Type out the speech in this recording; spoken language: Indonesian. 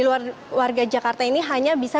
bagi warga di jakarta ini hanya bisa